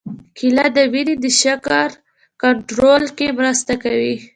کېله د وینې د شکر کنټرول کې مرسته کوي.